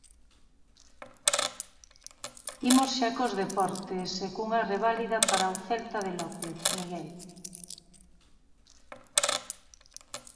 Imos xa cos deportes, e cunha reválida para o Celta de López, Miguel.